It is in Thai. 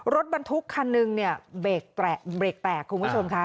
รถบรรทุกคันนึงเนี่ยเบรกแตกคุณผู้ชมค่ะ